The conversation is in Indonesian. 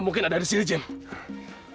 bahkan kontakthiselnya bukan ittina